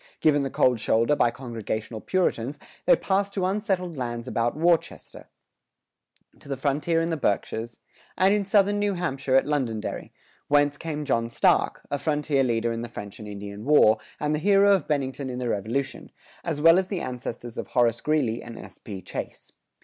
[103:4] Given the cold shoulder by congregational Puritans, they passed to unsettled lands about Worcester, to the frontier in the Berkshires, and in southern New Hampshire at Londonderry whence came John Stark, a frontier leader in the French and Indian War, and the hero of Bennington in the Revolution, as well as the ancestors of Horace Greeley and S. P. Chase.